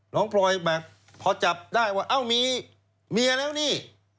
น้องพลอยพอจัดได้ว่าเอ้ามีเหมียแล้วนี่